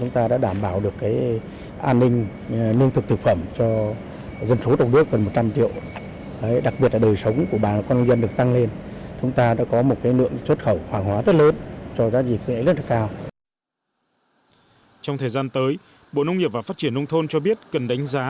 trong thời gian tới bộ nông nghiệp và phát triển nông thôn cho biết cần đánh giá